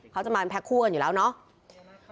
เขาจะมาแพ็คคู่กันอยู่แล้วเนาะ